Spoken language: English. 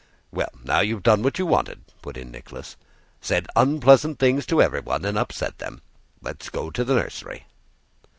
"Well, now you've done what you wanted," put in Nicholas—"said unpleasant things to everyone and upset them. Let's go to the nursery."